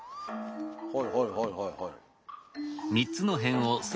はいはいはいはいはい。